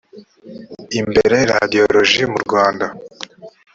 imbere radiyoloji mu rwanda